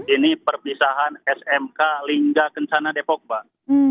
ini perpisahan smk lingga kencana depok bang